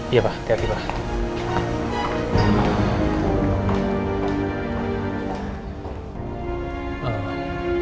iya pak terima kasih pak